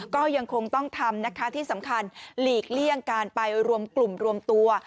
ก็ยังคงต้องทำนะคะที่สำคัญหลีกเลี่ยงการไปรวมกลุ่มรวมตัว